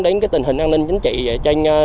đến tình hình an ninh chính trị trên